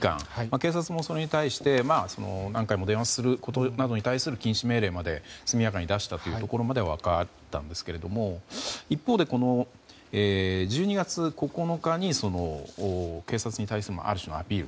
警察もそれに対して何回も電話することに対する禁止命令まで速やかに出したというところまでは分かったんですけど一方で、１２月９日に警察に対するある種のアピール